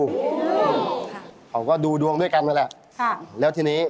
เรื่องปี